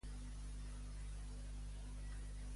Què va fer Icari amb la seva filla Penèlope?